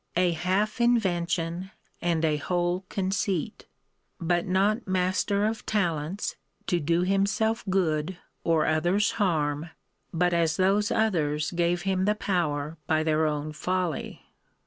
A half invention, and a whole conceit; but not master of talents to do himself good, or others harm, but as those others gave him the power by their own folly.